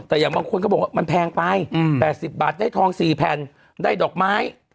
แต่อย่างบางคนก็บอกว่ามันแพงไป๘๐บาทได้ทอง๔แผ่นได้ดอกไม้